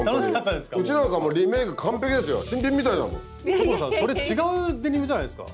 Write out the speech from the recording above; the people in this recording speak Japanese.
所さんそれ違うデニムじゃないすか？